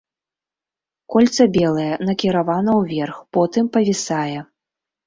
Кольца белае, накіравана ўверх, потым павісае.